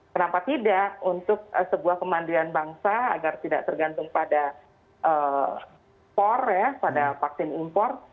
kenapa tidak untuk sebuah kemandirian bangsa agar tidak tergantung pada por ya pada vaksin impor